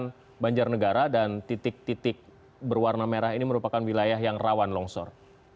kawasan banjarnegara dan titik titik berwarna merah ini merupakan wilayah yang rawan longsor